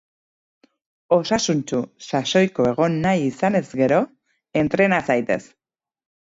Osasuntsu, sasoiko egon nahi izanez gero; entrena zaitez!